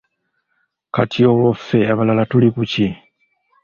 Kati olwo ffe abalala tuli ku ki?